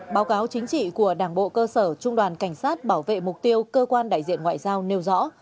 báo cáo chính trị của đảng bộ cơ sở trung đoàn cảnh sát bảo vệ mục tiêu cơ quan đại diện ngoại giao nêu rõ